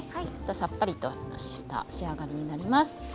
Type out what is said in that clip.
さっぱりした仕上がりになります。